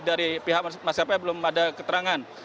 dari pihak masyarakat belum ada keterangan